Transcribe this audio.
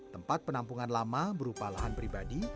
tempat penampungan lama berupa lahan pribadi